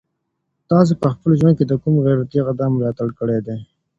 تاسي په خپل ژوند کي د کوم غیرتي اقدام ملاتړ کړی دی؟